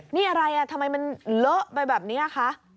นี่อะไรทำไมมันเลอะไปแบบนี้คะ